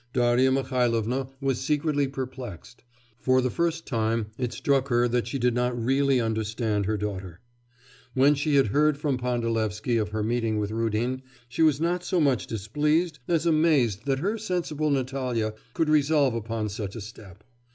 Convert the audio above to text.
Darya Mihailovna was secretly perplexed; for the first time it struck her that she did not really understand her daughter. When she had heard from Pandalevsky of her meeting with Rudin, she was not so much displeased as amazed that her sensible Natalya could resolve upon such a step.